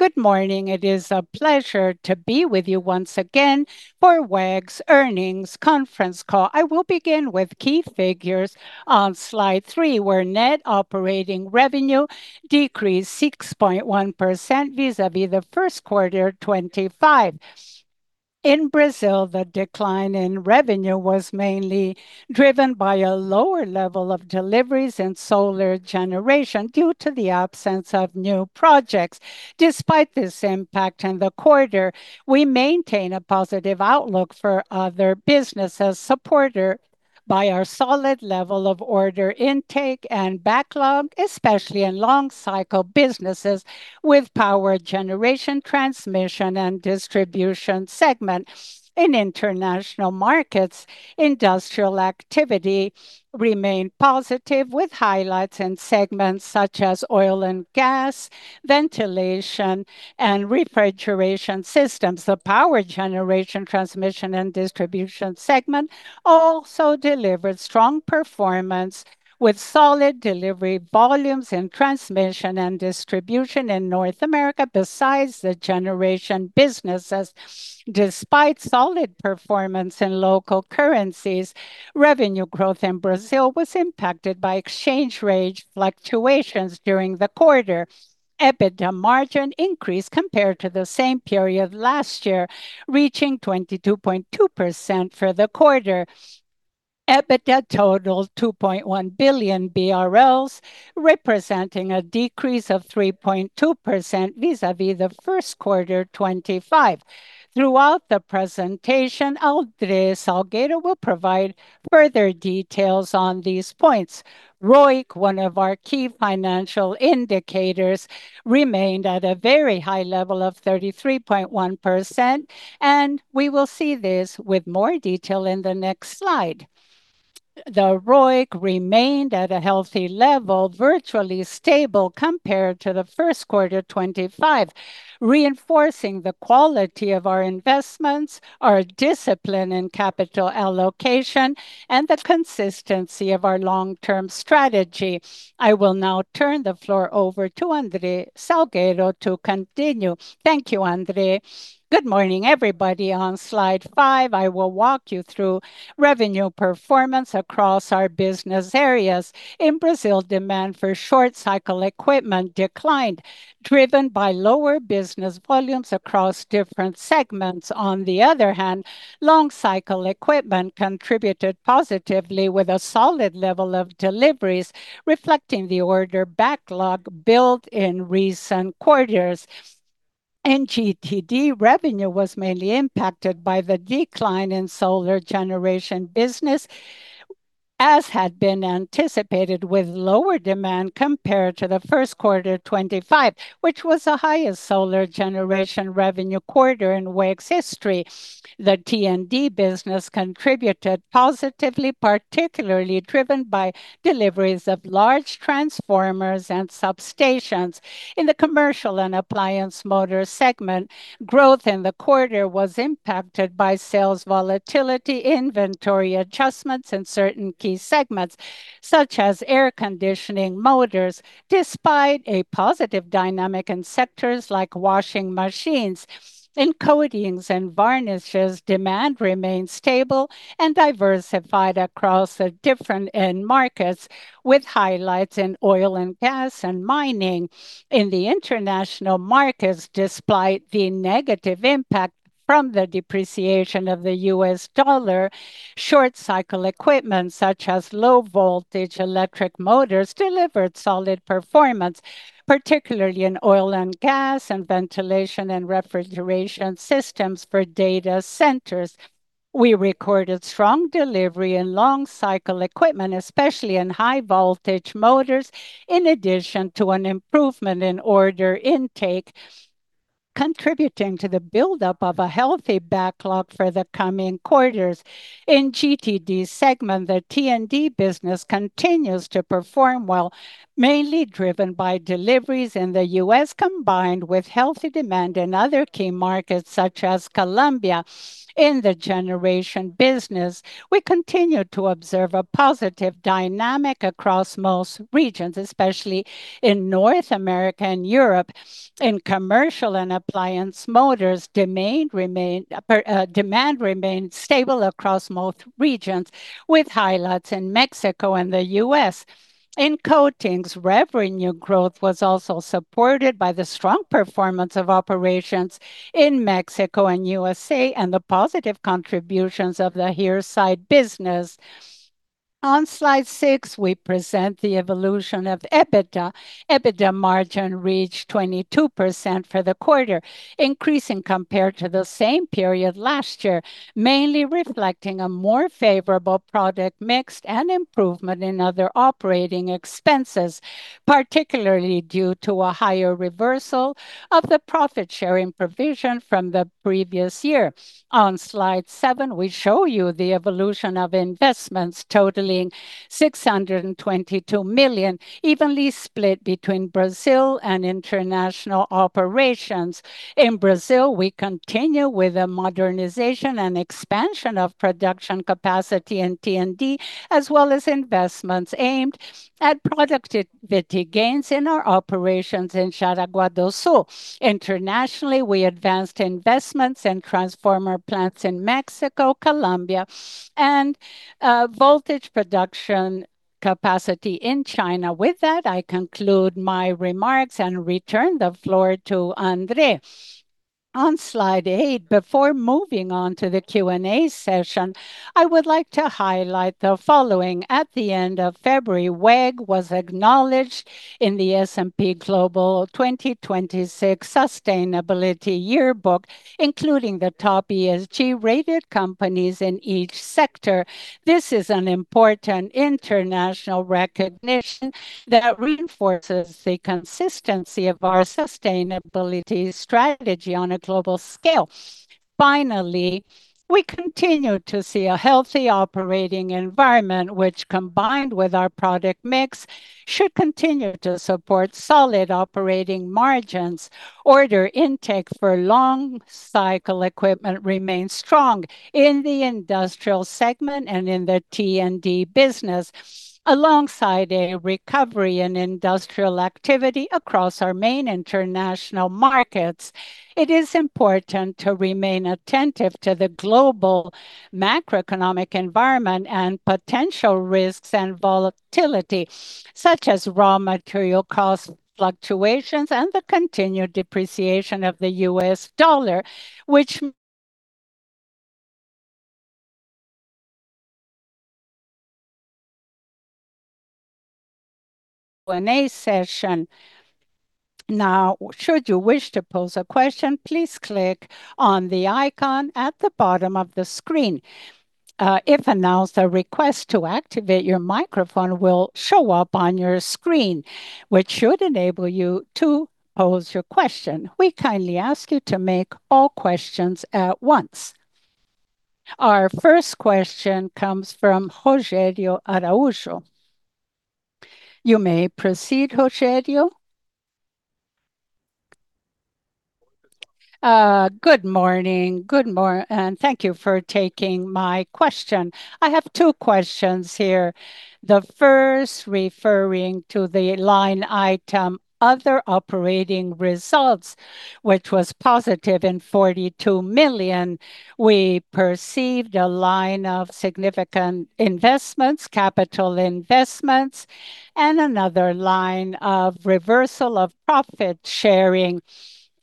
Good morning. It is a pleasure to be with you once again for WEG's earnings conference call. I will begin with key figures on slide three, where net operating revenue decreased 6.1% vis-à-vis the first quarter 2025. In Brazil, the decline in revenue was mainly driven by a lower level of deliveries in solar generation due to the absence of new projects. Despite this impact in the quarter, we maintain a positive outlook for other businesses, supported by our solid level of order intake and backlog, especially in long cycle businesses with Power Generation, Transmission, and Distribution segment. In international markets, industrial activity remained positive with highlights in segments such as Oil & Gas, Ventilation, and Refrigeration systems. The Power Generation, Transmission, and Distribution segment also delivered strong performance with solid delivery volumes in transmission and distribution in North America besides the generation businesses. Despite solid performance in local currencies, revenue growth in Brazil was impacted by exchange rate fluctuations during the quarter. EBITDA margin increased compared to the same period last year, reaching 22.2% for the quarter. EBITDA totaled 2.1 billion BRL, representing a decrease of 3.2% vis-à-vis the first quarter 2025. Throughout the presentation, André Salgueiro will provide further details on these points. ROIC, one of our key financial indicators, remained at a very high level of 33.1%, and we will see this with more detail in the next slide. The ROIC remained at a healthy level, virtually stable compared to the first quarter 2025, reinforcing the quality of our investments, our discipline in capital allocation, and the consistency of our long-term strategy. I will now turn the floor over to André Salgueiro to continue. Thank you, André. Good morning, everybody. On slide five, I will walk you through revenue performance across our business areas. In Brazil, demand for short-cycle equipment declined, driven by lower business volumes across different segments. On the other hand, long-cycle equipment contributed positively with a solid level of deliveries reflecting the order backlog built in recent quarters. In GTD, revenue was mainly impacted by the decline in solar generation business, as had been anticipated with lower demand compared to the first quarter 2025, which was the highest solar generation revenue quarter in WEG's history. The T&D business contributed positively, particularly driven by deliveries of large transformers and substations. In the Commercial and Appliance Motor segment, growth in the quarter was impacted by sales volatility, inventory adjustments in certain key segments such as Air Conditioning Motors, despite a positive dynamic in sectors like Washing Machines. In Coatings and Varnishes, demand remained stable and diversified across the different end markets, with highlights in Oil & Gas and Mining. In the international markets, despite the negative impact from the depreciation of the U.S. dollar, short-cycle equipment such as low-voltage electric motors delivered solid performance, particularly in Oil & Gas and Ventilation and Refrigeration systems for data centers. We recorded strong delivery in long-cycle equipment, especially in high-voltage motors, in addition to an improvement in order intake, contributing to the buildup of a healthy backlog for the coming quarters. In GTD segment, the T&D business continues to perform well, mainly driven by deliveries in the U.S., combined with healthy demand in other key markets such as Colombia. In the Generation business, we continue to observe a positive dynamic across most regions, especially in North America and Europe. In Commercial and Appliance Motors, demand remained stable across most regions, with highlights in Mexico and the U.S. In Coatings, revenue growth was also supported by the strong performance of operations in Mexico and U.S.A. and the positive contributions of the Heresite business. On slide six, we present the evolution of EBITDA. EBITDA margin reached 22% for the quarter, increasing compared to the same period last year, mainly reflecting a more favorable product mix and improvement in other operating expenses, particularly due to a higher reversal of the profit-sharing provision from the previous year. On slide seven, we show you the evolution of investments totaling 622 million, evenly split between Brazil and international operations. In Brazil, we continue with the modernization and expansion of production capacity in T&D, as well as investments aimed at productivity gains in our operations in Jaraguá do Sul. Internationally, we advanced investments in transformer plants in Mexico, Colombia, and voltage production capacity in China. With that, I conclude my remarks and return the floor to André. On slide eight, before moving on to the Q&A session, I would like to highlight the following. At the end of February, WEG was acknowledged in the S&P Global 2026 Sustainability Yearbook, including the top ESG-rated companies in each sector. This is an important international recognition that reinforces the consistency of our sustainability strategy on a global scale. Finally, we continue to see a healthy operating environment which, combined with our product mix, should continue to support solid operating margins. Order intake for long-cycle equipment remains strong in the Industrial segment and in the T&D business, alongside a recovery in industrial activity across our main international markets. It is important to remain attentive to the global macroeconomic environment and potential risks and volatility, such as raw material cost fluctuations and the continued depreciation of the US dollar, which... Q&A session. Should you wish to pose a question, please click on the icon at the bottom of the screen. If announced, a request to activate your microphone will show up on your screen, which should enable you to pose your question. We kindly ask you to make all questions at once. Our first question comes from Rogério Araújo. You may proceed, Rogério. Good morning. Thank you for taking my question. I have two questions here. The first referring to the line item Other Operating Results, which was positive in 42 million. We perceived a line of significant investments, capital investments, and another line of reversal of profit sharing,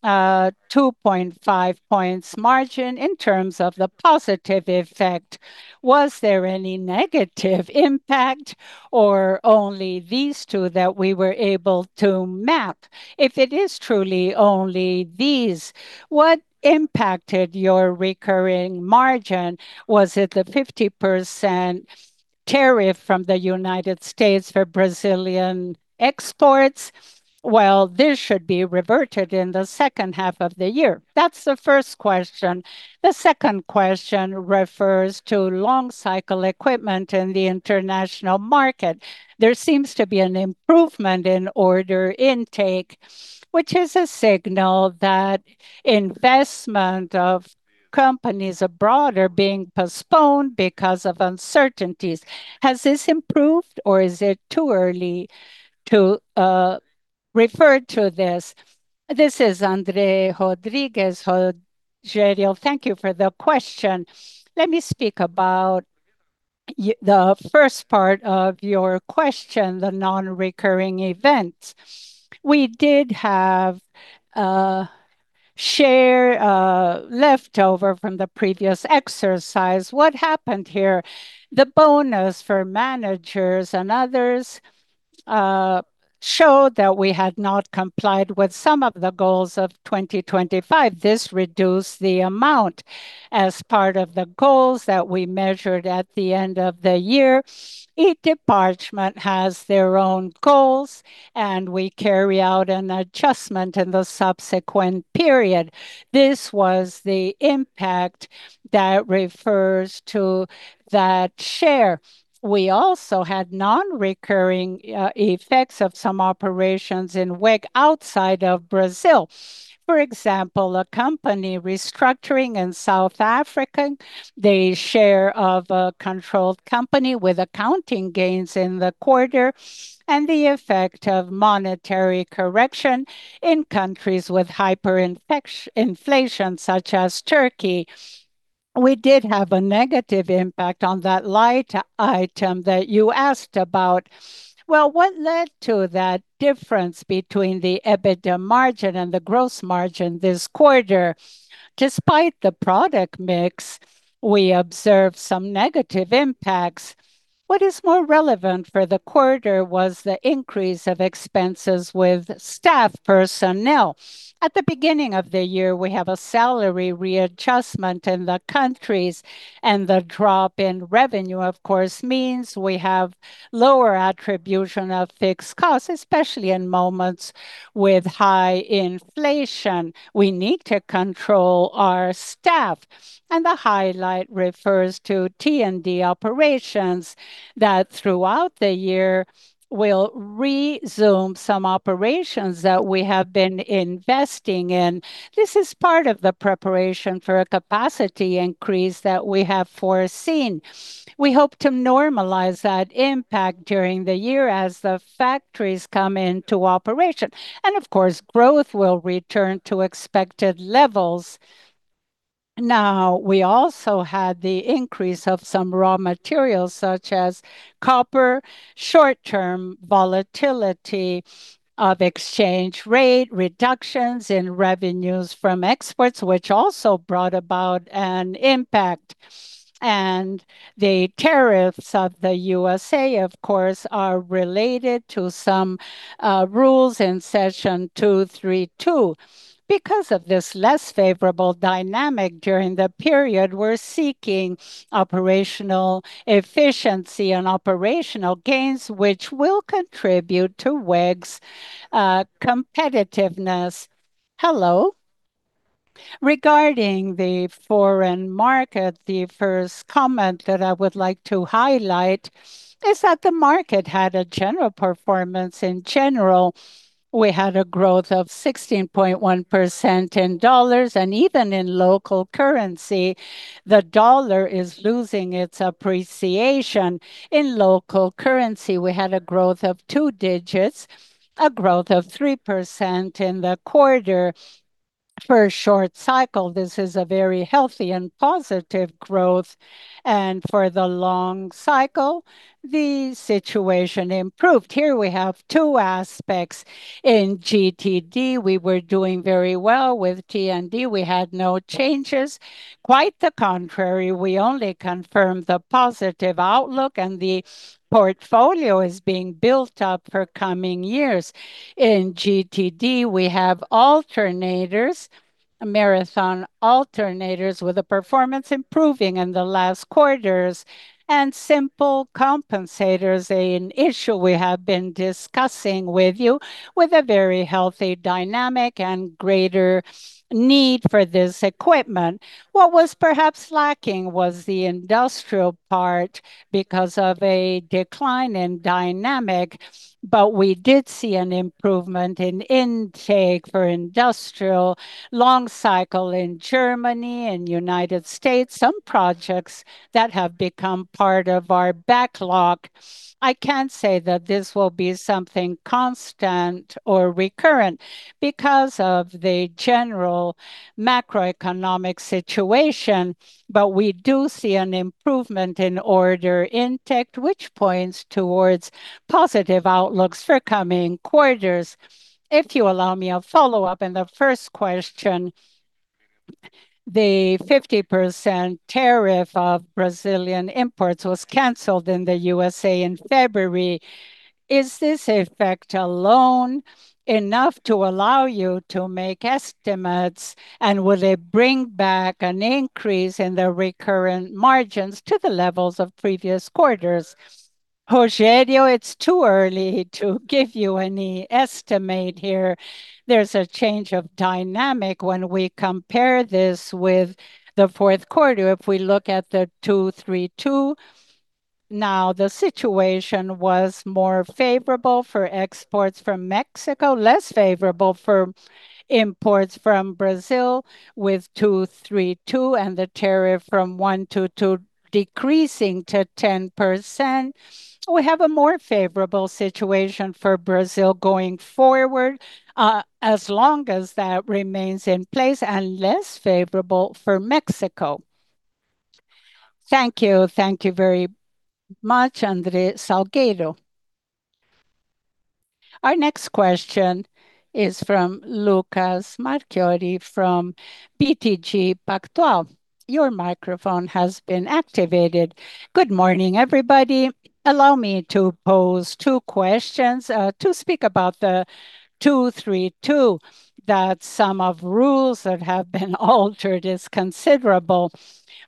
2.5 points margin in terms of the positive effect. Was there any negative impact or only these two that we were able to map? If it is truly only these, what impacted your recurring margin? Was it the 50% tariff from the United States for Brazilian exports? This should be reverted in the second half of the year. That's the first question. The second question refers to long-cycle equipment in the international market. There seems to be an improvement in order intake, which is a signal that investment of companies abroad are being postponed because of uncertainties. Has this improved, or is it too early to refer to this? This is André Rodrigues. Rogério, thank you for the question. Let me speak about the first part of your question, the non-recurring events. We did have a share left over from the previous exercise. What happened here? The bonus for managers and others showed that we had not complied with some of the goals of 2025. This reduced the amount. As part of the goals that we measured at the end of the year, each department has their own goals, and we carry out an adjustment in the subsequent period. This was the impact that refers to that share. We also had non-recurring effects of some operations in WEG outside of Brazil. For example, a company restructuring in South Africa, the share of a controlled company with accounting gains in the quarter, and the effect of monetary correction in countries with hyperinflation, such as Turkey. We did have a negative impact on that line item that you asked about. Well, what led to that difference between the EBITDA margin and the gross margin this quarter? Despite the product mix, we observed some negative impacts. What is more relevant for the quarter was the increase of expenses with staff personnel. At the beginning of the year, we have a salary readjustment in the countries, and the drop in revenue, of course, means we have lower attribution of fixed costs, especially in moments with high inflation. We need to control our staff. The highlight refers to T&D operations that, throughout the year, will resume some operations that we have been investing in. This is part of the preparation for a capacity increase that we have foreseen. We hope to normalize that impact during the year as the factories come into operation and, of course, growth will return to expected levels. We also had the increase of some raw materials such as copper, short-term volatility of exchange rate, reductions in revenues from exports, which also brought about an impact. The tariffs of the U.S.A., of course, are related to some rules in Section 232. Because of this less favorable dynamic during the period, we're seeking operational efficiency and operational gains which will contribute to WEG's competitiveness. Hello. Regarding the foreign market, the first comment that I would like to highlight is that the market had a general performance. In general, we had a growth of 16.1% in dollars, and even in local currency, the dollar is losing its appreciation. In local currency, we had a growth of two digits, a growth of 3% in the quarter. For a short cycle, this is a very healthy and positive growth, and for the long cycle, the situation improved. Here we have two aspects. In GTD, we were doing very well. With T&D, we had no changes. Quite the contrary, we only confirmed the positive outlook, and the portfolio is being built up for coming years. In GTD, we have alternators, Marathon alternators with the performance improving in the last quarters, and simple compensators, an issue we have been discussing with you, with a very healthy dynamic and greater need for this equipment. What was perhaps lacking was the industrial part because of a decline in dynamic, but we did see an improvement in intake for industrial long cycle in Germany and United States, some projects that have become part of our backlog. I can't say that this will be something constant or recurrent because of the general macroeconomic situation, but we do see an improvement in order intake, which points towards positive outlooks for coming quarters. If you allow me a follow-up in the first question, the 50% tariff of Brazilian imports was canceled in the U.S.A. in February. Is this effect alone enough to allow you to make estimates, and will it bring back an increase in the recurrent margins to the levels of previous quarters? Rogério, it's too early to give you any estimate here. There's a change of dynamic when we compare this with the fourth quarter. If we look at the 232, now the situation was more favorable for exports from Mexico, less favorable for imports from Brazil with 232 and the tariff from 122 decreasing to 10%. We have a more favorable situation for Brazil going forward, as long as that remains in place, and less favorable for Mexico. Thank you. Thank you very much, André Salgueiro. Our next question is from Lucas Marquiori from BTG Pactual. Your microphone has been activated. Good morning, everybody. Allow me to pose two questions. To speak about the 232, that sum of rules that have been altered is considerable.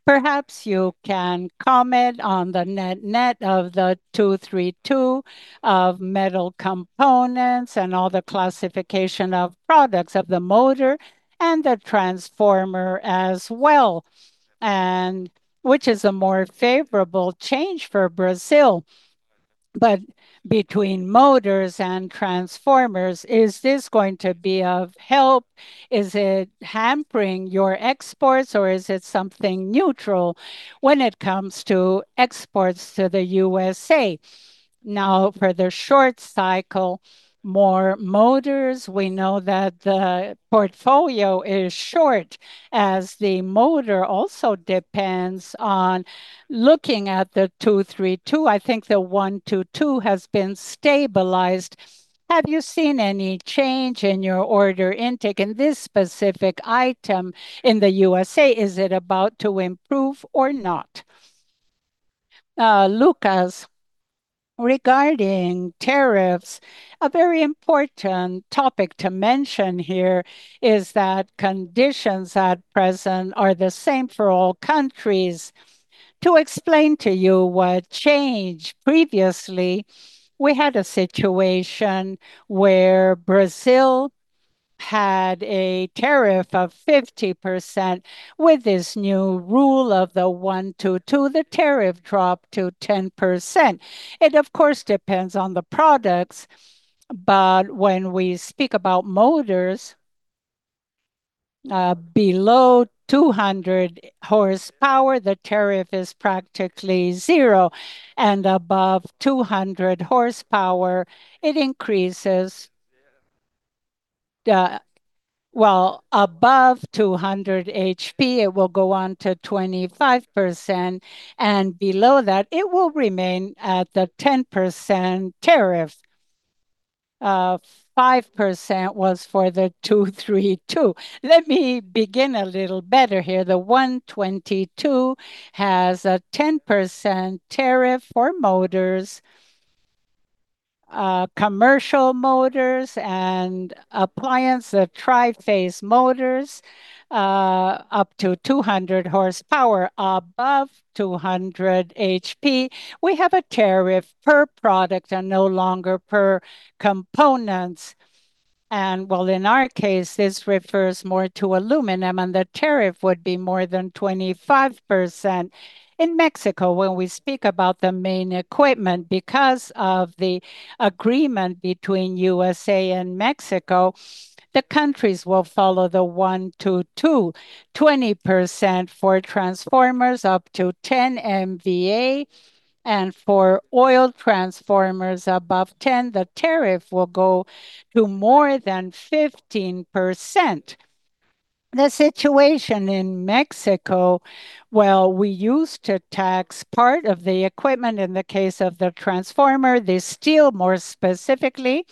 Perhaps you can comment on the net-net of the 232 of metal components and all the classification of products of the motor and the transformer as well, which is a more favorable change for Brazil. Between motors and transformers, is this going to be of help? Is it hampering your exports, or is it something neutral when it comes to exports to the USA? For the short cycle, more motors, we know that the portfolio is short, as the motor also depends on looking at the 232. I think the 122 has been stabilized. Have you seen any change in your order intake in this specific item in the U.S.A.? Is it about to improve or not? Lucas, regarding tariffs, a very important topic to mention here is that conditions at present are the same for all countries. To explain to you what changed, previously we had a situation where Brazil had a tariff of 50%. With this new rule of the 122, the tariff dropped to 10%. It, of course, depends on the products, but when we speak about motors, below 200 HP, the tariff is practically zero, and above 200 HP, it increases. Above 200 HP, it will go on to 25%, and below that it will remain at the 10% tariff. 5% was for the 232. Let me begin a little better here. The 122 has a 10% tariff for motors, Commercial Motors and Appliance, the tri-phase motors, up to 200 HP. Above 200 HP, we have a tariff per product and no longer per components. In our case, this refers more to aluminum, and the tariff would be more than 25%. In Mexico, when we speak about the main equipment, because of the agreement between U.S.A. and Mexico, the countries will follow the 122, 20% for transformers up to 10 MVA, and for oil transformers above 10 MVA, the tariff will go to more than 15%. The situation in Mexico, well, we used to tax part of the equipment. In the case of the transformer, the steel, more specifically,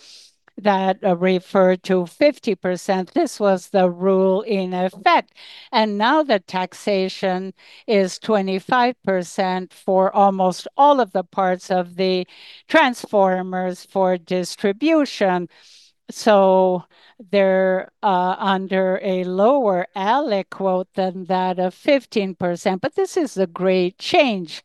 that referred to 50%. This was the rule in effect. Now the taxation is 25% for almost all of the parts of the transformers for distribution. They're under a lower aliquot than that of 15%, but this is a great change.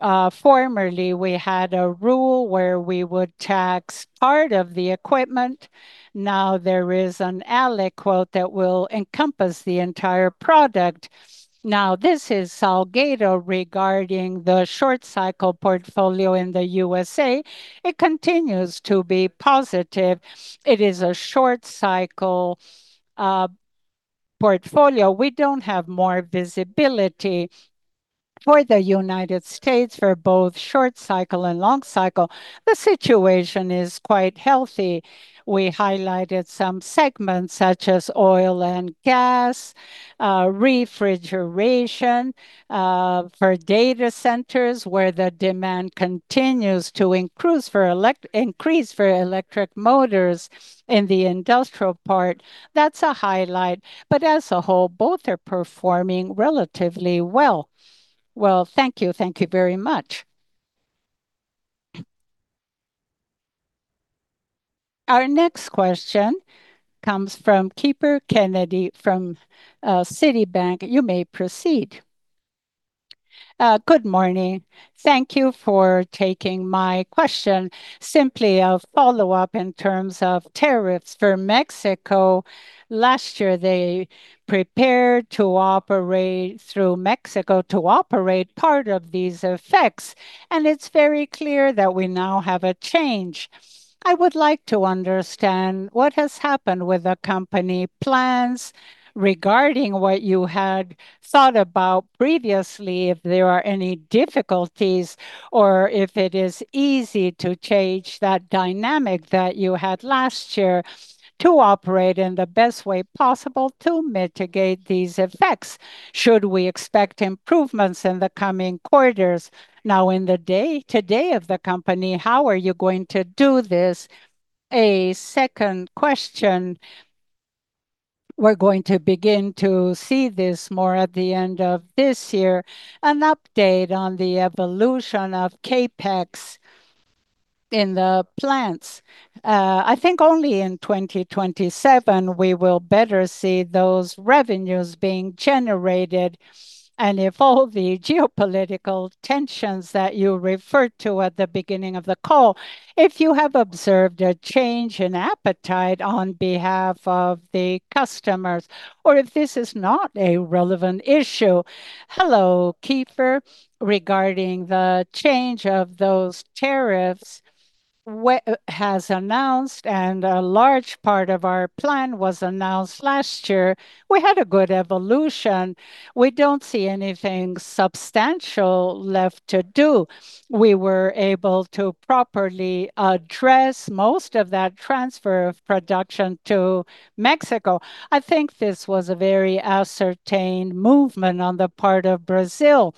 Formerly, we had a rule where we would tax part of the equipment. Now there is an aliquot that will encompass the entire product. This is Salgueiro regarding the short cycle portfolio in the U.S.A. It continues to be positive. It is a short cycle portfolio. We don't have more visibility for the United States for both short cycle and long cycle. The situation is quite healthy. We highlighted some segments such as oil and gas, refrigeration, for data centers where the demand continues to increase for electric motors in the industrial part. That's a highlight. As a whole, both are performing relatively well. Well, thank you. Thank you very much. Our next question comes from Kiepher Kennedy from Citibank. You may proceed. Good morning. Thank you for taking my question. Simply a follow-up in terms of tariffs for Mexico. Last year, they prepared to operate through Mexico to operate part of these effects. It's very clear that we now have a change. I would like to understand what has happened with the company plans regarding what you had thought about previously, if there are any difficulties or if it is easy to change that dynamic that you had last year to operate in the best way possible to mitigate these effects. Should we expect improvements in the coming quarters? Now, in the day-to-day of the company, how are you going to do this? A second question, we're going to begin to see this more at the end of this year, an update on the evolution of CapEx in the plants. I think only in 2027 we will better see those revenues being generated. If all the geopolitical tensions that you referred to at the beginning of the call, if you have observed a change in appetite on behalf of the customers or if this is not a relevant issue? Hello, Kiepher. Regarding the change of those tariffs, has announced and a large part of our plan was announced last year. We had a good evolution. We don't see anything substantial left to do. We were able to properly address most of that transfer of production to Mexico. I think this was a very ascertained movement on the part of Brazil.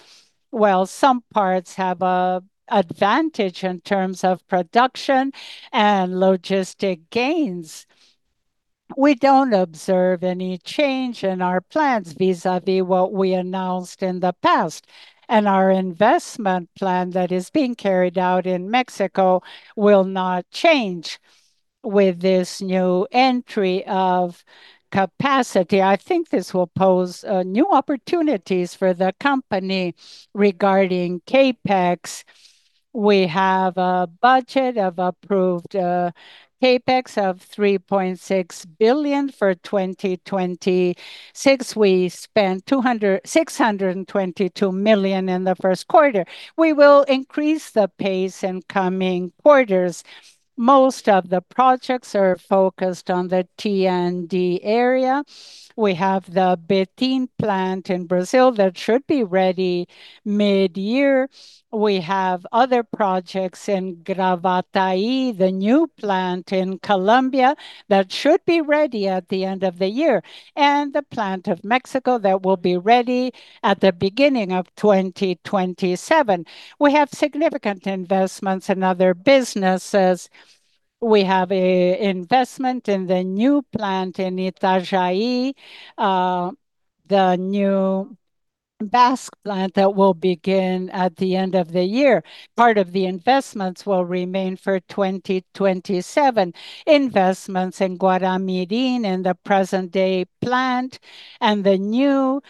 Well, some parts have a advantage in terms of production and logistic gains. We don't observe any change in our plans vis-à-vis what we announced in the past, and our investment plan that is being carried out in Mexico will not change with this new entry of capacity. I think this will pose new opportunities for the company. Regarding CapEx, we have a budget of approved CapEx of 3.6 billion for 2026. We spent 622 million in the first quarter. We will increase the pace in coming quarters. Most of the projects are focused on the T&D area. We have the Betim plant in Brazil that should be ready mid-year. We have other projects in Gravataí, the new plant in Colombia that should be ready at the end of the year, and the plant of Mexico that will be ready at the beginning of 2027. We have significant investments in other businesses. We have an investment in the new plant in Itajaí, the new BESS plant that will begin at the end of the year. Part of the investments will remain for 2027. Investments in Guaramirim in the present day plant and the new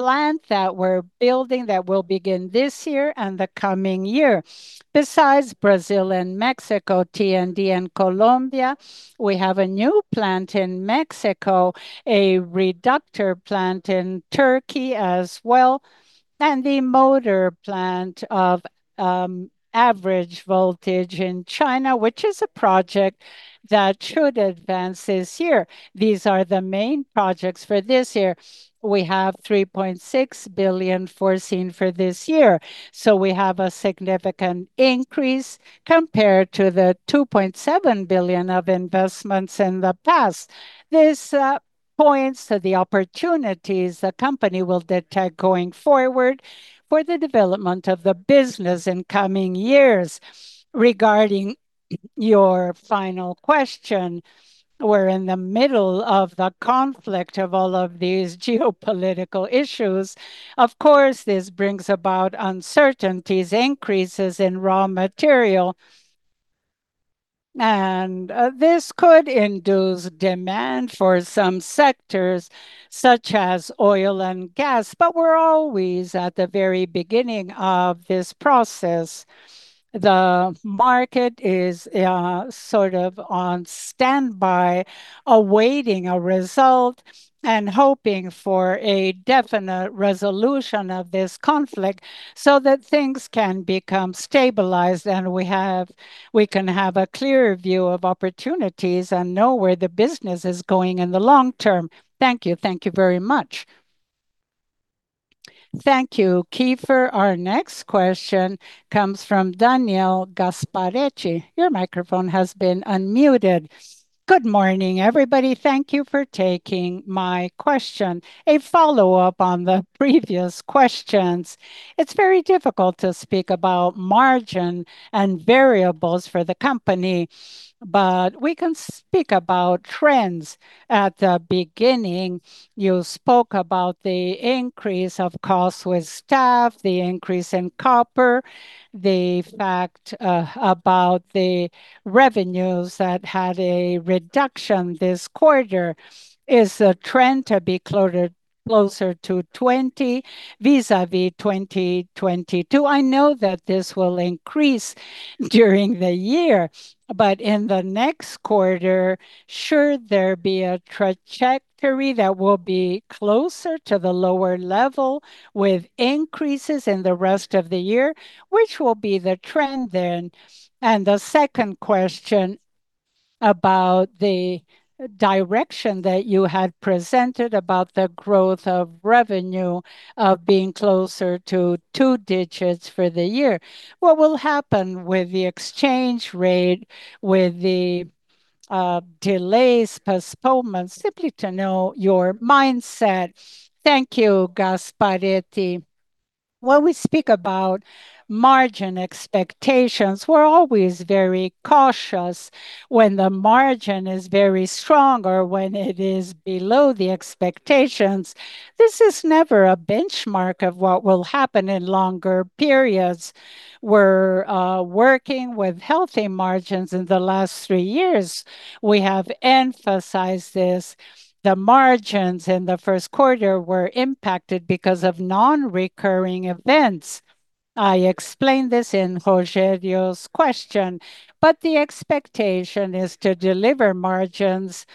plant that we're building that will begin this year and the coming year. Besides Brazil and Mexico, T&D in Colombia, we have a new plant in Mexico, a reducer plant in Turkey as well, and the motor plant of average voltage in China, which is a project that should advance this year. These are the main projects for this year. We have 3.6 billion foreseen for this year. We have a significant increase compared to the 2.7 billion of investments in the past. This points to the opportunities the company will detect going forward for the development of the business in coming years. Regarding your final question, we're in the middle of the conflict of all of these geopolitical issues. Of course, this brings about uncertainties, increases in raw material, and this could induce demand for some sectors such as oil and gas, but we're always at the very beginning of this process. The market is sort of on standby awaiting a result and hoping for a definite resolution of this conflict so that things can become stabilized and we have, we can have a clearer view of opportunities and know where the business is going in the long term. Thank you. Thank you very much. Thank you, Kiepher. Our next question comes from Daniel Gasparete. Your microphone has been unmuted. Good morning, everybody. Thank you for taking my question, a follow-up on the previous questions. It's very difficult to speak about margin and variables for the company, but we can speak about trends. At the beginning, you spoke about the increase of costs with staff, the increase in copper, the fact about the revenues that had a reduction this quarter. Is the trend to be closer to 2020 vis-à-vis 2022? I know that this will increase during the year, in the next quarter, should there be a trajectory that will be closer to the lower level with increases in the rest of the year, which will be the trend then? The second question about the direction that you had presented about the growth of revenue, being closer to two digits for the year. What will happen with the exchange rate, with the delays, postponements? Simply to know your mindset. Thank you, Gasparete. When we speak about margin expectations, we're always very cautious when the margin is very strong or when it is below the expectations. This is never a benchmark of what will happen in longer periods. We're working with healthy margins in the last three years. We have emphasized this. The margins in the first quarter were impacted because of non-recurring events. I explained this in Rogério's question. The expectation is to deliver margins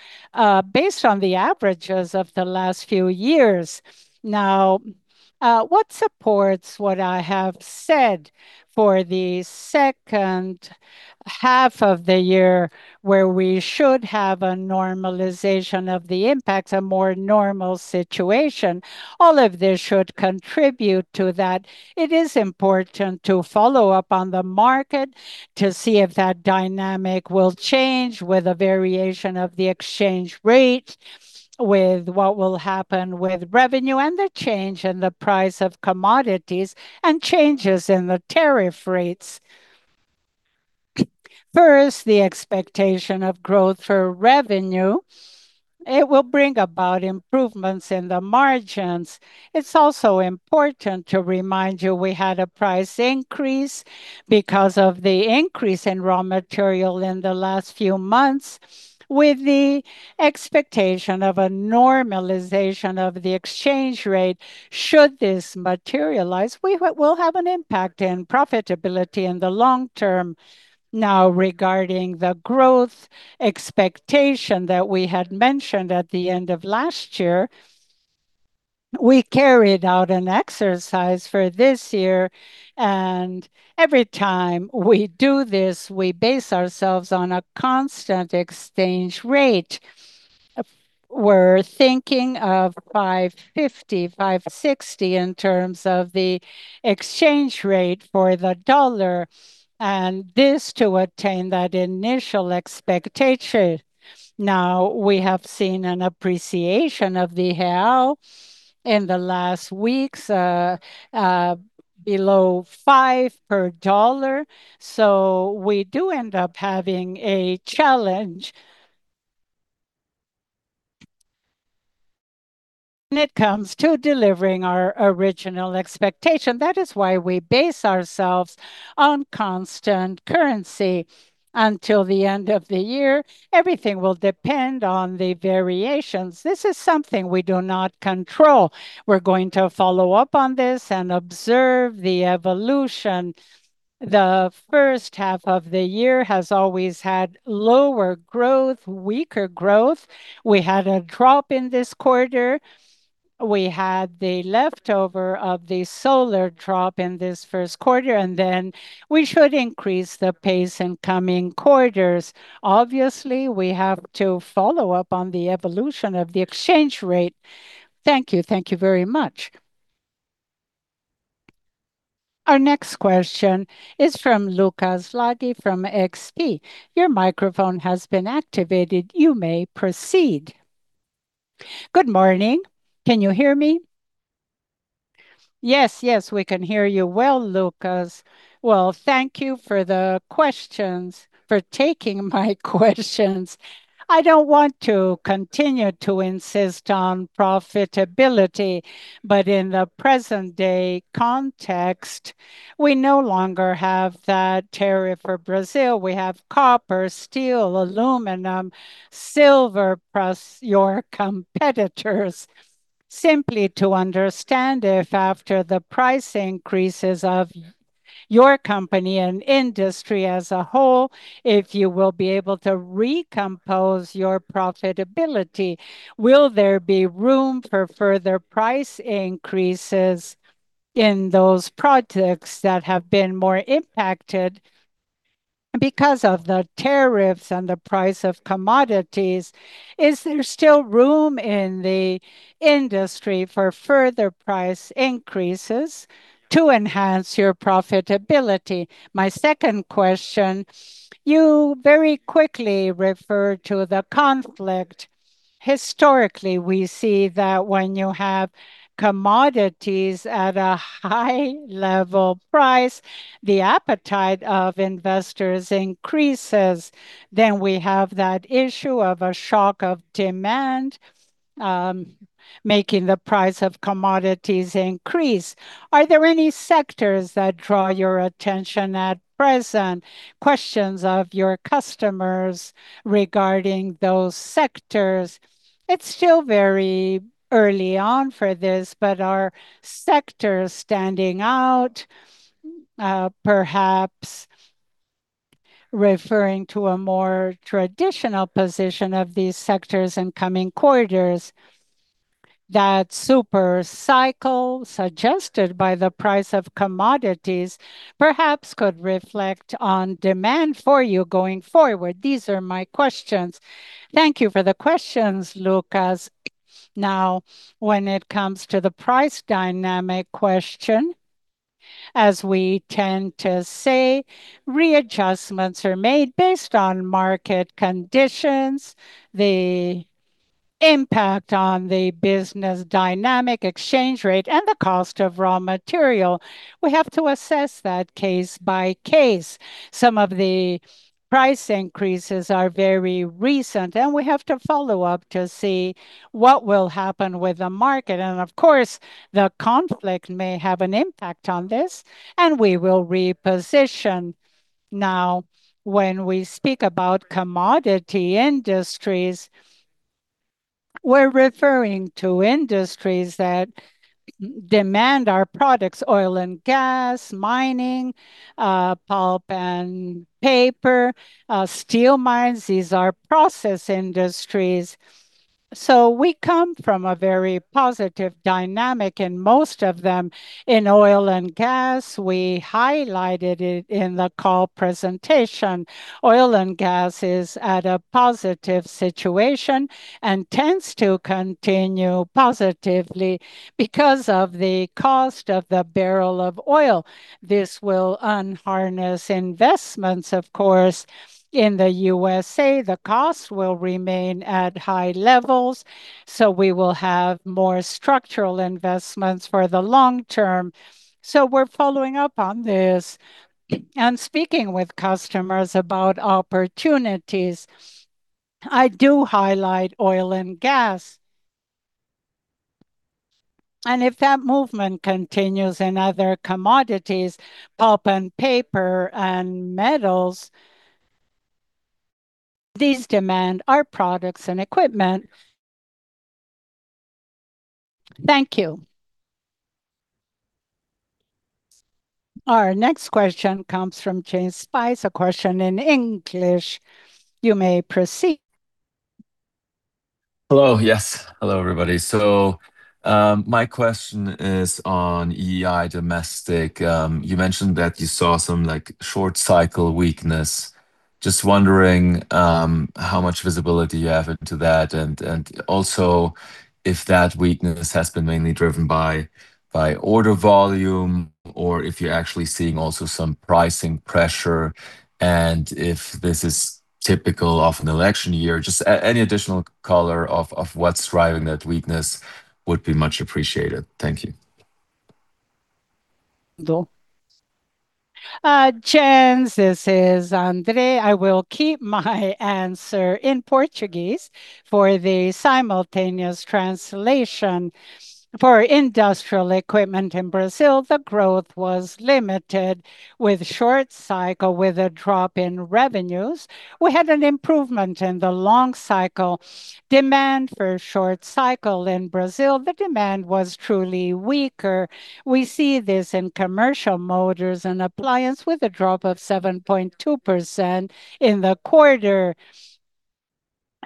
based on the averages of the last few years. What supports what I have said for the second half of the year where we should have a normalization of the impacts, a more normal situation, all of this should contribute to that. It is important to follow up on the market to see if that dynamic will change with the variation of the exchange rate, with what will happen with revenue, and the change in the price of commodities and changes in the tariff rates. First, the expectation of growth for revenue, it will bring about improvements in the margins. It is also important to remind you we had a price increase because of the increase in raw material in the last few months. With the expectation of a normalization of the exchange rate, should this materialize, we will have an impact in profitability in the long term. Regarding the growth expectation that we had mentioned at the end of last year, we carried out an exercise for this year, and every time we do this, we base ourselves on a constant exchange rate. We're thinking of 5.50, 5.60 in terms of the exchange rate for the dollar, and this to obtain that initial expectation. We have seen an appreciation of the real. In the last weeks, below 5 per dollar. We do end up having a challenge when it comes to delivering our original expectation. That is why we base ourselves on constant currency until the end of the year. Everything will depend on the variations. This is something we do not control. We're going to follow up on this and observe the evolution. The first half of the year has always had lower growth, weaker growth. We had a drop in this quarter. We had the leftover of the solar drop in this first quarter. We should increase the pace in coming quarters. We have to follow up on the evolution of the exchange rate. Thank you. Thank you very much. Our next question is from Lucas Laghi from XP. Your microphone has been activated. You may proceed. Good morning. Can you hear me? Yes. Yes, we can hear you well, Lucas. Well, thank you for the questions, for taking my questions. I don't want to continue to insist on profitability. In the present-day context, we no longer have that tariff for Brazil. We have copper, steel, aluminum, silver, plus your competitors. Simply to understand if after the price increases of your company and industry as a whole, if you will be able to recompose your profitability. Will there be room for further price increases in those projects that have been more impacted because of the tariffs and the price of commodities? Is there still room in the industry for further price increases to enhance your profitability? My second question, you very quickly referred to the conflict. Historically, we see that when you have commodities at a high-level price, the appetite of investors increases, then we have that issue of a shock of demand, making the price of commodities increase. Are there any sectors that draw your attention at present, questions of your customers regarding those sectors? It's still very early on for this, are sectors standing out, perhaps referring to a more traditional position of these sectors in coming quarters. That super cycle suggested by the price of commodities perhaps could reflect on demand for you going forward. These are my questions. Thank you for the questions, Lucas. When it comes to the price dynamic question, as we tend to say, readjustments are made based on market conditions, the impact on the business dynamic exchange rate, and the cost of raw material. We have to assess that case by case. Some of the price increases are very recent, and we have to follow up to see what will happen with the market. Of course, the conflict may have an impact on this, and we will reposition. Now, when we speak about commodity industries, we're referring to industries that demand our products: Oil & Gas, Mining, Pulp and Paper, Steel [Mines]. These are process industries. We come from a very positive dynamic in most of them. In Oil & Gas, we highlighted it in the call presentation. Oil & Gas is at a positive situation and tends to continue positively because of the cost of the barrel of oil. This will unharness investments, of course, in the U.S.A. The cost will remain at high levels, so we will have more structural investments for the long term. We're following up on this and speaking with customers about opportunities. I do highlight oil & Gas. If that movement continues in other commodities, pulp and paper and metals, these demand our products and equipment. Thank you. Our next question comes from Jens Spiess, a question in English. You may proceed. Hello. Yes. Hello, everybody. My question is on EEI domestic. You mentioned that you saw some, like, short cycle weakness. Just wondering how much visibility you have into that, and also if that weakness has been mainly driven by order volume or if you're actually seeing also some pricing pressure, and if this is typical of an election year. Just any additional color of what's driving that weakness would be much appreciated. Thank you. Jens, this is André. I will keep my answer in Portuguese for the simultaneous translation. For industrial equipment in Brazil, the growth was limited with short cycle, with a drop in revenues. We had an improvement in the long cycle demand for short cycle in Brazil. The demand was truly weaker. We see this in Commercial Motors and Appliance with a drop of 7.2% in the quarter.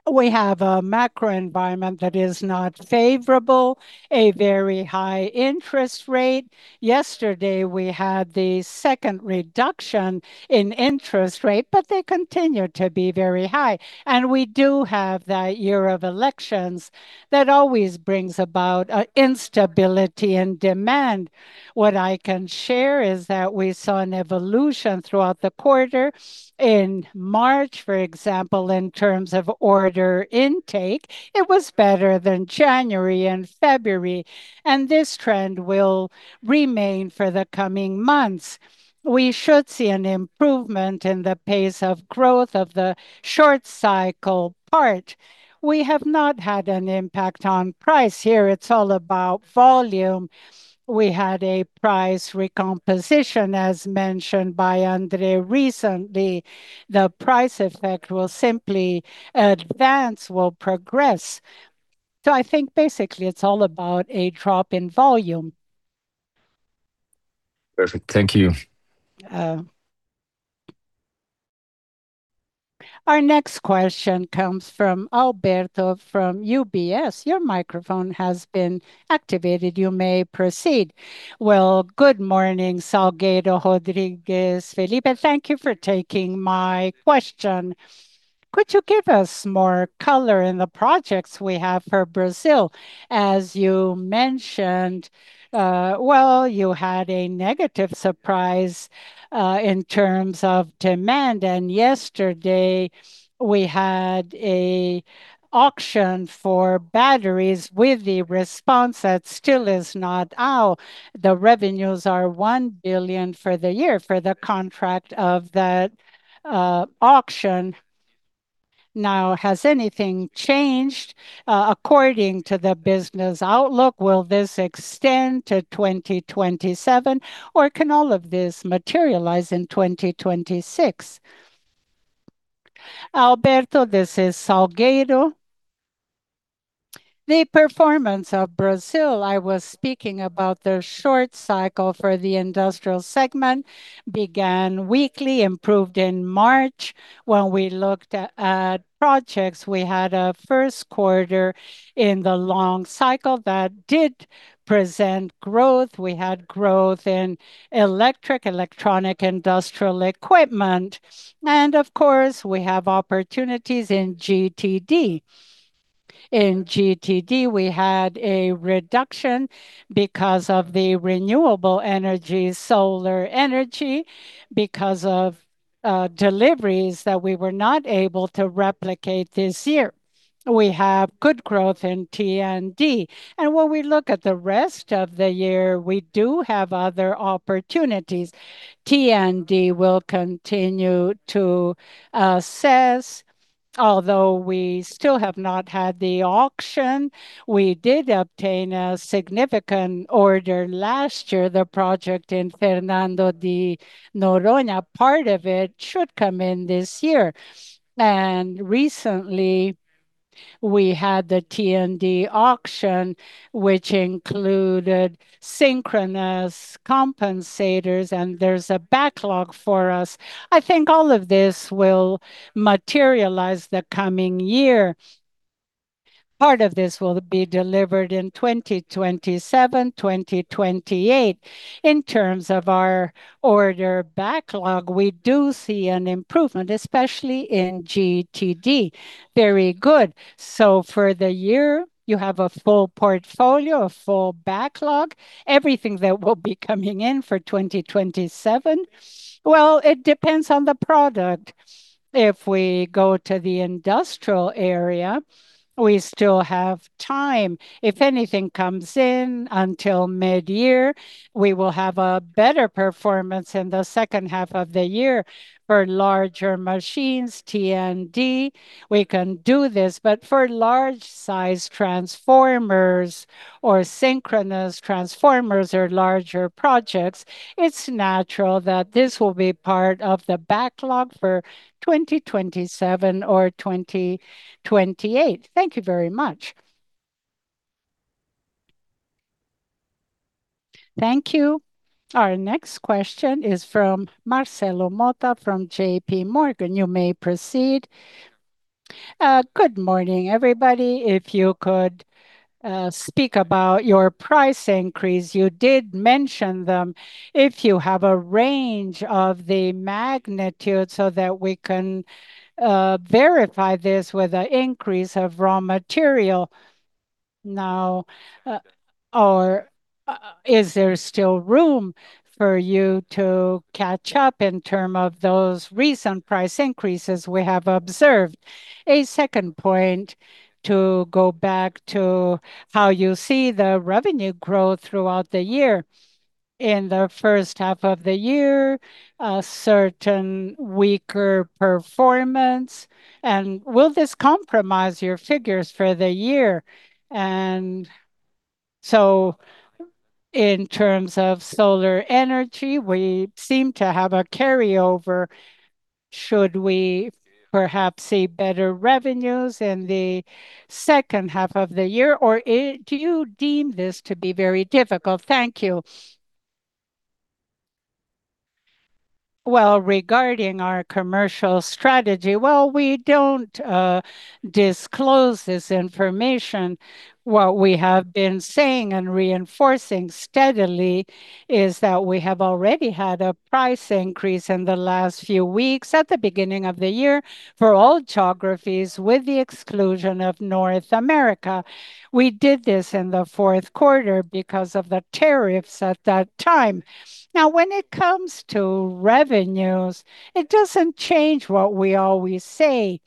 We have a macro environment that is not favorable, a very high interest rate. Yesterday we had the second reduction in interest rate, but they continue to be very high. We do have that year of elections that always brings about instability in demand. What I can share is that we saw an evolution throughout the quarter. In March, for example, in terms of order intake, it was better than January and February, and this trend will remain for the coming months. We should see an improvement in the pace of growth of the short cycle part. We have not had an impact on price here. It's all about volume. We had a price recomposition, as mentioned by André recently. The price effect will simply advance, will progress. I think basically it's all about a drop in volume. Perfect. Thank you. Our next question comes from Alberto from UBS. Your microphone has been activated. You may proceed. Good morning, Salgueiro, Rodrigues, Felipe. Thank you for taking my question. Could you give us more color in the projects we have for Brazil? As you mentioned, you had a negative surprise in terms of demand. Yesterday we had a auction for batteries with the response that still is not out. The revenues are 1 billion for the year for the contract of that auction. Now, has anything changed, according to the business outlook? Will this extend to 2027, or can all of this materialize in 2026? Alberto, this is Salgueiro. The performance of Brazil, I was speaking about the short cycle for the Industrial segment, began weakly, improved in March. When we looked at projects, we had a first quarter in the long cycle that did present growth. We had growth in electric, electronic industrial equipment. Of course, we have opportunities in GTD. In GTD, we had a reduction because of the renewable energy, solar energy, because of deliveries that we were not able to replicate this year. We have good growth in T&D. When we look at the rest of the year, we do have other opportunities. T&D will continue to assess. Although we still have not had the auction, we did obtain a significant order last year, the project in Fernando de Noronha. Part of it should come in this year. Recently we had the T&D auction, which included synchronous compensators, and there's a backlog for us. I think all of this will materialize the coming year. Part of this will be delivered in 2027, 2028. In terms of our order backlog, we do see an improvement, especially in GTD. Very good. For the year, you have a full portfolio, a full backlog, everything that will be coming in for 2027. Well, it depends on the product. If we go to the industrial area, we still have time. If anything comes in until mid-year, we will have a better performance in the second half of the year. For larger machines, T&D, we can do this. For large size transformers or synchronous transformers or larger projects, it's natural that this will be part of the backlog for 2027 or 2028. Thank you very much. Thank you. Our next question is from Marcelo Motta from JPMorgan. You may proceed. Good morning, everybody. If you could speak about your price increase, you did mention them. If you have a range of the magnitude so that we can verify this with an increase of raw material now, or is there still room for you to catch up in term of those recent price increases we have observed? A second point, to go back to how you see the revenue growth throughout the year. In the first half of the year, a certain weaker performance. Will this compromise your figures for the year? In terms of solar energy, we seem to have a carryover. Should we perhaps see better revenues in the second half of the year, or do you deem this to be very difficult? Thank you. Well, regarding our commercial strategy, well, we don't disclose this information. What we have been saying and reinforcing steadily is that we have already had a price increase in the last few weeks at the beginning of the year for all geographies, with the exclusion of North America. We did this in the fourth quarter because of the tariffs at that time. Now, when it comes to revenues, it doesn't change what we always say.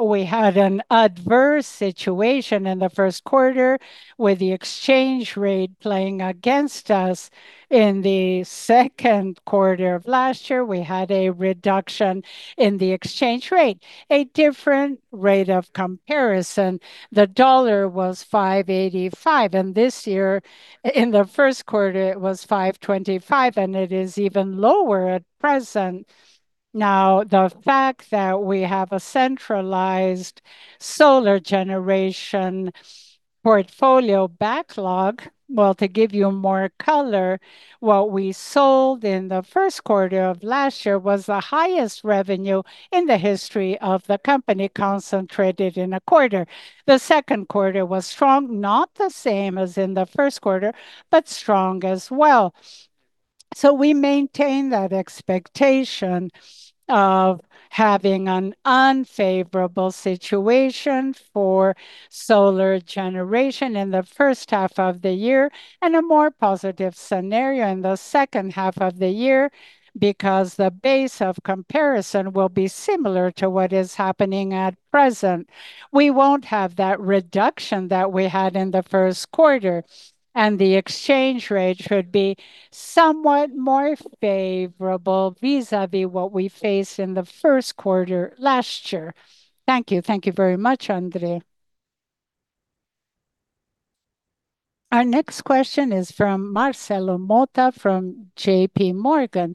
We had an adverse situation in the first quarter with the exchange rate playing against us. In the second quarter of last year, we had a reduction in the exchange rate, a different rate of comparison. The dollar was $5.85, and this year, in the first quarter, it was $5.25, and it is even lower at present. Now, the fact that we have a centralized solar generation portfolio backlog, well, to give you more color, what we sold in the first quarter of last year was the highest revenue in the history of the company concentrated in a quarter. The second quarter was strong, not the same as in the first quarter, but strong as well. We maintain that expectation of having an unfavorable situation for solar generation in the first half of the year and a more positive scenario in the second half of the year because the base of comparison will be similar to what is happening at present. We won't have that reduction that we had in the first quarter, and the exchange rate should be somewhat more favorable vis-à-vis what we faced in the 1st quarter last year. Thank you. Thank you very much, André. Our next question is from Marcelo Motta from JPMorgan.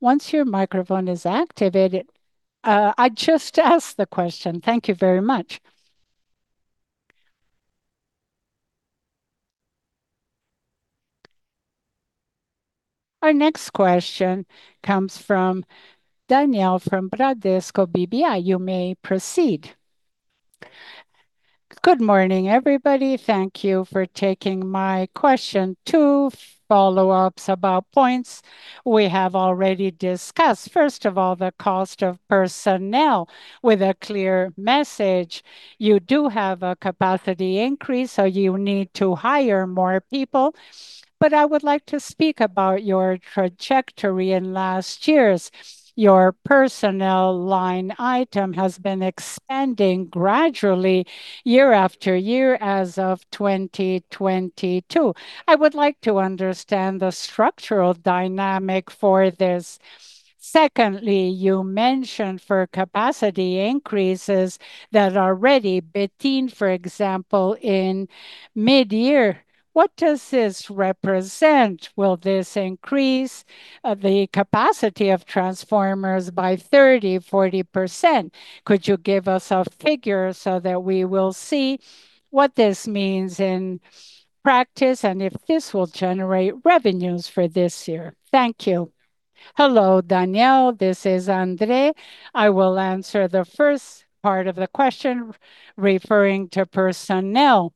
Once your microphone is activated. Just ask the question. Thank you very much. Our next question comes from Daniel from Bradesco BBI. You may proceed. Good morning, everybody. Thank you for taking my question. Two follow-ups about points we have already discussed. First of all, the cost of personnel with a clear message. You do have a capacity increase, so you need to hire more people. I would like to speak about your trajectory in last years. Your personnel line item has been expanding gradually year after year as of 2022. I would like to understand the structural dynamic for this. Secondly, you mentioned for capacity increases that are already between, for example, in mid-year. What does this represent? Will this increase the capacity of transformers by 30%, 40%? Could you give us a figure so that we will see what this means in practice and if this will generate revenues for this year? Thank you. Hello, Daniel. This is André. I will answer the first part of the question referring to personnel.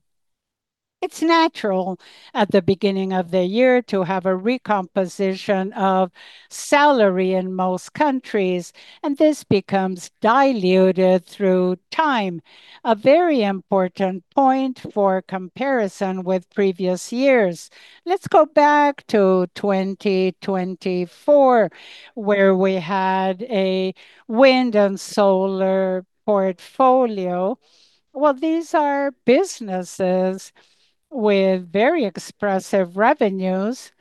It's natural at the beginning of the year to have a recomposition of salary in most countries, and this becomes diluted through time. A very important point for comparison with previous years. Let's go back to 2024, where we had a wind and solar portfolio. Well, these are businesses with very expressive revenues.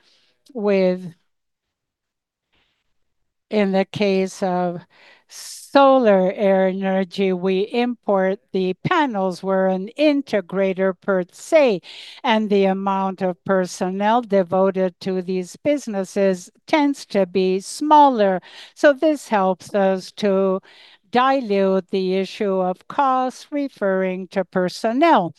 In the case of solar energy, we import the panels. We're an integrator per se, and the amount of personnel devoted to these businesses tends to be smaller. This helps us to dilute the issue of cost referring to personnel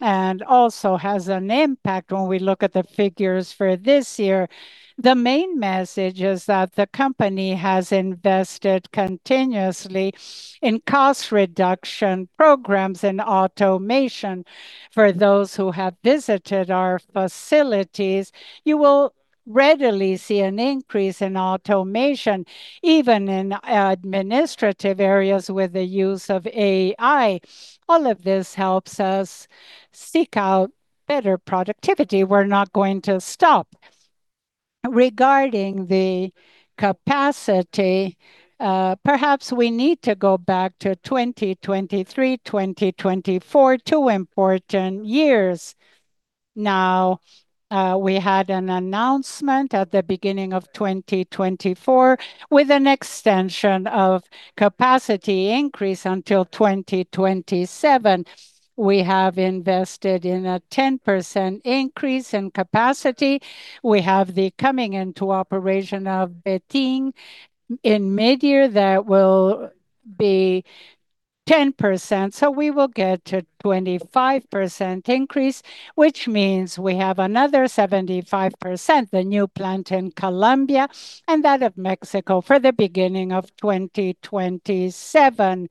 and also has an impact when we look at the figures for this year. The main message is that the company has invested continuously in cost reduction programs and automation. For those who have visited our facilities, you will readily see an increase in automation, even in administrative areas with the use of AI. All of this helps us seek out better productivity. We're not going to stop. Regarding the capacity, perhaps we need to go back to 2023, 2024, two important years. Now, we had an announcement at the beginning of 2024 with an extension of capacity increase until 2027. We have invested in a 10% increase in capacity. We have the coming into operation of Betim. In mid-year that will be 10%, so we will get to 25% increase, which means we have another 75%, the new plant in Colombia and that of Mexico for the beginning of 2027.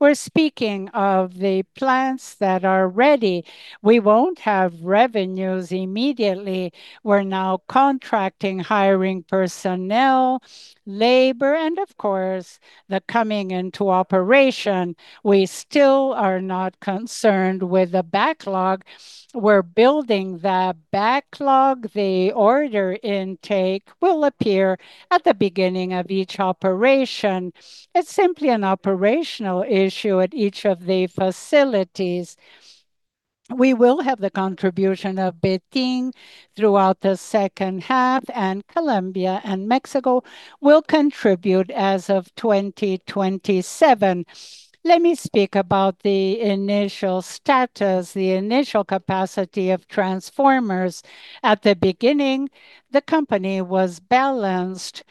We're speaking of the plants that are ready. We won't have revenues immediately. We're now contracting, hiring personnel, labor, and of course, the coming into operation. We still are not concerned with the backlog. We're building the backlog. The order intake will appear at the beginning of each operation. It's simply an operational issue at each of the facilities. We will have the contribution of Betim throughout the second half, and Colombia and Mexico will contribute as of 2027. Let me speak about the initial status, the initial capacity of transformers. At the beginning, the company was balanced.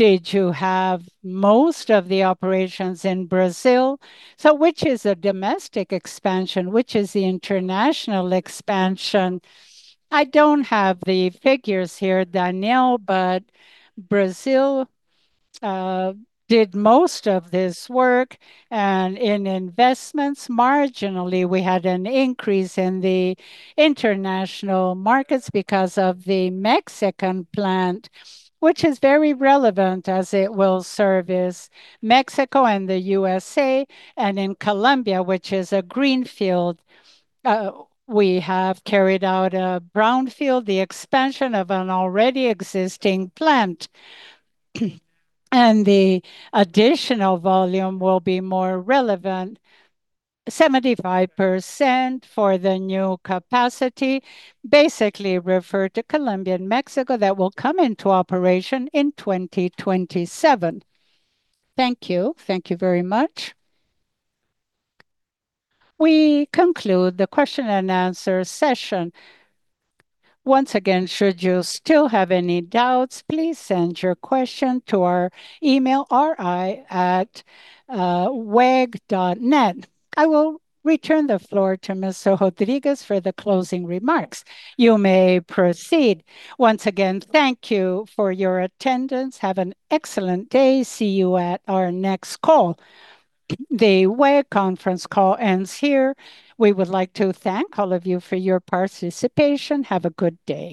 Did you have most of the operations in Brazil? Which is a domestic expansion, which is the international expansion? I don't have the figures here, Daniel, but Brazil did most of this work. In investments, marginally we had an increase in the international markets because of the Mexican plant, which is very relevant as it will service Mexico and the U.S.A. In Colombia, which is a greenfield, we have carried out a brownfield, the expansion of an already existing plant. The additional volume will be more relevant, 75% for the new capacity, basically refer to Colombia and Mexico that will come into operation in 2027. Thank you. Thank you very much. We conclude the question-and-answer session. Once again, should you still have any doubts, please send your question to our email, ri@weg.net. I will return the floor to Mr. Rodrigues for the closing remarks. You may proceed. Once again, thank you for your attendance. Have an excellent day. See you at our next call. The WEG conference call ends here. We would like to thank all of you for your participation. Have a good day.